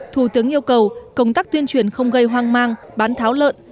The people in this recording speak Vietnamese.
thủ tướng yêu cầu công tác tuyên truyền không gây hoang mang bán tháo lợn